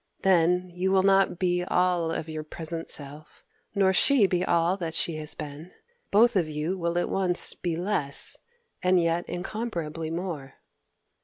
Then you will not be all of your present self, nor she be all that she has been: both of you will at once be less, and yet incomparably more.